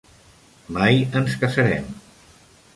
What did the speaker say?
Mai ens casarem.